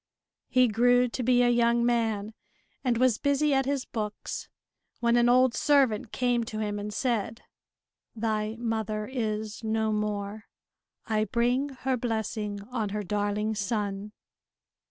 He grew to be a young man, and was busy at his books when an old servant came to him and said: "Thy mother is no more. I bring her blessing on her darling son!"